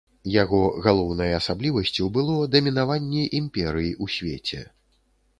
Яго галоўнай асаблівасцю было дамінаванне імперый у свеце.